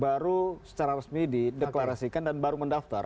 baru secara resmi dideklarasikan dan baru mendaftar